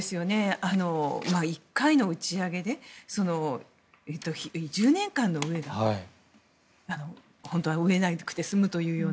１回の打ち上げで１０年間の飢えが本当は飢えなくて済むという。